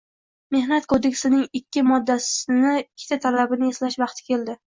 Mehnat kodeksining ikkita moddasining ikkita talabini eslash vaqti keldi: